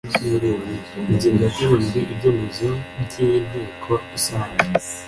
Ingingo ya karindwi Ibyemezo by Inteko Rusange